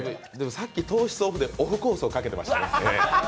さっき糖質オフでオフコースをかけてました。